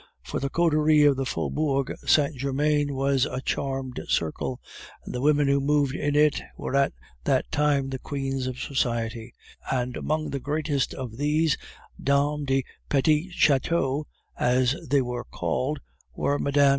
For the coterie of the Faubourg Saint Germain was a charmed circle, and the women who moved in it were at that time the queens of society; and among the greatest of these Dames du Petit Chateau, as they were called, were Mme.